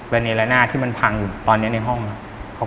และเนละหน้าที่มันพังอยู่ตอนนี้ในห้องครับ